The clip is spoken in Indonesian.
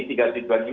tiga situasi ini